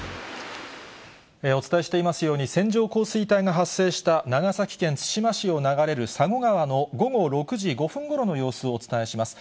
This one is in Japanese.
お伝えしていますように、線状降水帯が発生した長崎県対馬市を流れる佐護川の午後６時５分ごろの様子をお伝えします。